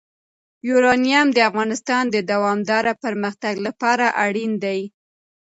یورانیم د افغانستان د دوامداره پرمختګ لپاره اړین دي.